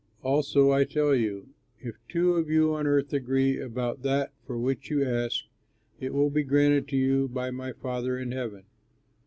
"Also I tell you: if two of you on earth agree about that for which you ask, it will be granted to you by my Father in heaven.